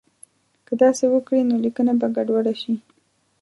که داسې وکړي نو لیکنه به ګډوډه شي.